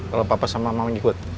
kalau papa sama mau ikut